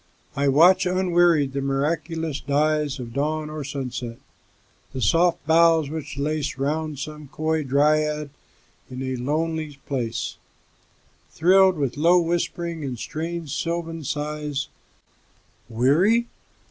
I watch, unwearied, the miraculous dyesOf dawn or sunset; the soft boughs which laceRound some coy dryad in a lonely place, Thrilled with low whispering and strange sylvan sighs:Weary?